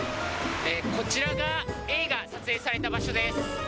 こちらが、エイが撮影された場所です。